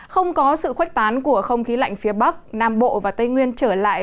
không có sự khuếch tán của không khí lạnh phía bắc nam bộ và tây nguyên trở lại